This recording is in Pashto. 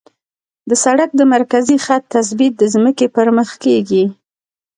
د سړک د مرکزي خط تثبیت د ځمکې پر مخ کیږي